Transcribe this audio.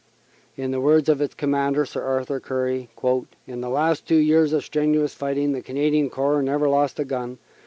In the words of its commander Sir Arthur Currie: "In the last two years of strenuous fighting the Canadian Corps never lost a gun.